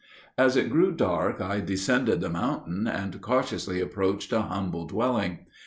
As it grew dark I descended the mountain, and cautiously approached a humble dwelling.